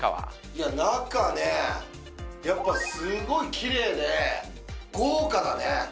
いや、中ね、やっぱすごいきれいで、豪華だね。